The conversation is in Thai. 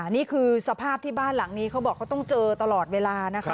นี่คือสภาพที่บ้านหลังนี้เขาบอกเขาต้องเจอตลอดเวลานะคะ